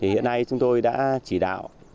hiện nay chúng tôi đã chỉ đạo